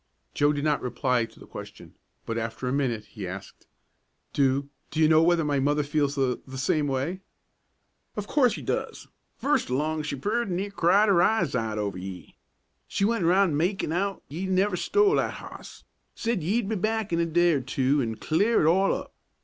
Joe did not reply to the question, but after a minute he asked, "Do do you know whether my mother feels the the same way?" "Of course she doos! First along she purty near cried 'er eyes out over ye. She went around makin' out't ye never stole that hoss; said ye'd be back in a day or two an' clear it all up.